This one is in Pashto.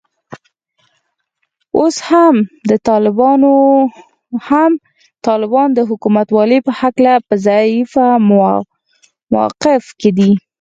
او اوس هم طالبان د حکومتولې په هکله په ضعیفه موقف کې دي